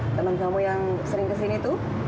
teman kamu yang sering kesini tuh